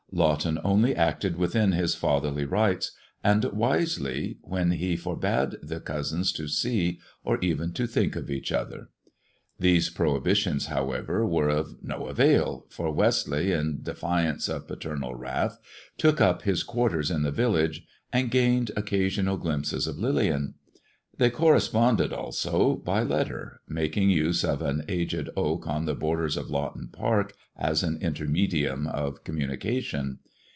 Lawton only acted within his fatherly rights, ^^ wisely, when* he forbade the cousins to see, or even '^ "ttink of each other. These prohibitions^ however, were of no avail, for 196 THE DEAD man's DIAMONDS Westleigh, in defiance of paternal wrath, took up hi quarters in the village and gained occasional glimpses o Lillian. They corresponded also by letter, making ufi of an aged oak on the borders of Lawton Park as a intermedium of communication.